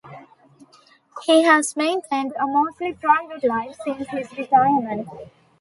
He has maintained a mostly private life since his retirement.